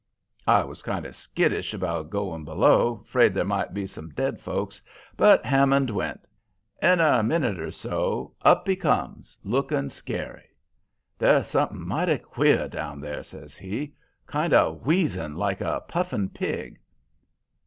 "I was kind of skittish about going below, 'fraid there might be some dead folks, but Hammond went. In a minute or so up he comes, looking scary. "'There's something mighty queer down there,' says he: 'kind of w'eezing like a puffing pig.'